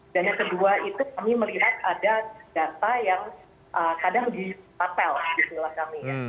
dan yang kedua itu kami melihat ada data yang kadang ditapel di sisi kami